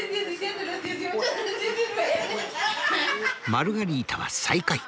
マルガリータは最下位。